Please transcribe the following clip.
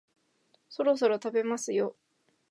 そろそろ食べますよ